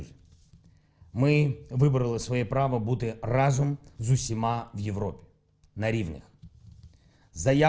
kami memilih hak kita untuk bersama sama di semua negara di eropa